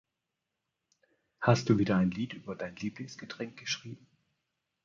Hast du wieder ein Lied über dein Lieblingsgetränk geschrieben?